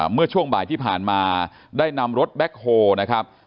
เมื่อช่วงบ่ายที่ผ่านมาได้นำรถแบ็คโฮนะครับ